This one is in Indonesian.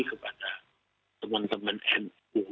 kepada teman teman mu